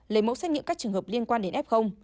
lấy mẫu xét nghiệm các trường hợp liên quan đến f